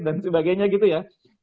dan sebagainya gitu ya